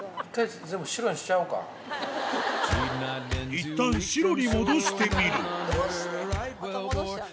いったん白に戻してみるどうして？